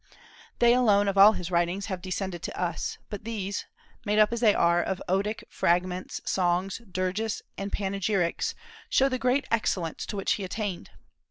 They alone of all his writings have descended to us, but these, made up as they are of odic fragments, songs, dirges, and panegyrics, show the great excellence to which he attained.